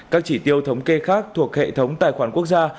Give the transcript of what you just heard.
các chỉ tiêu thống kê khác thuộc hệ thống tài khoản quốc gia